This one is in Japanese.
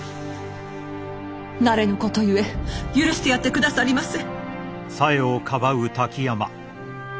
慣れぬことゆえ許してやってくださりませ。